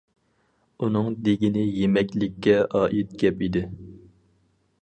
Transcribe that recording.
ئۇنىڭ دېگىنى يېمەكلىككە ئائىت گەپ ئىدى.